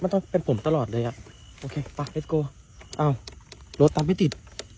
มันต้องเป็นผมตลอดเลยอ่ะโอเคป่ะเพชรโกอ้าวรถตามไม่ติด